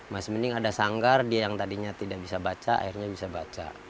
masih mending ada sanggar dia yang tadinya tidak bisa baca akhirnya bisa baca